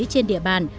trên địa bàn